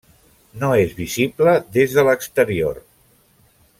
No és visible des de l'exterior.